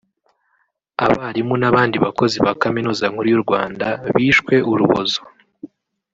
abarimu n’abandi bakozi ba Kaminuza Nkuru y’u Rwanda bishwe urubozo